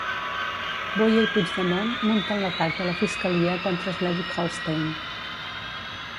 Boye i Puigdemont munten l'atac de la fiscalia contra Slesvig-Holstein.